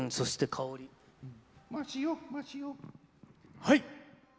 はい！